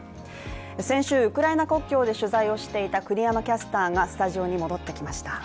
先週、ウクライナ国境で取材をしていた国山キャスターがスタジオに戻ってきました。